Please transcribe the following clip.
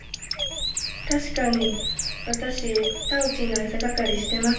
確かに私タウチーの餌係してます